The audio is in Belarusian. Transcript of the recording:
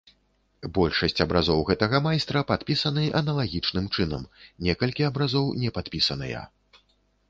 Большасць абразоў гэтага майстра падпісаны аналагічным чынам, некалькі абразоў не падпісаныя.